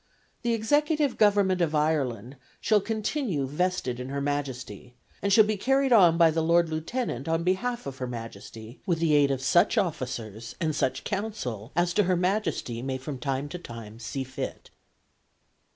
The executive government of Ireland shall continue vested in Her Majesty, and shall be carried on by the Lord Lieutenant on behalf of Her Majesty with the aid of such officers and such council as to Her Majesty may from time to time seem fit.